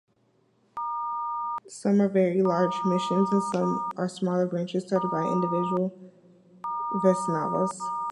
Some are very large missions, and some are smaller branches started by individual Vaisnavas.